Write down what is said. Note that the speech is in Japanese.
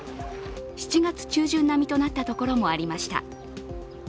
７月中旬並みとなったところもありました。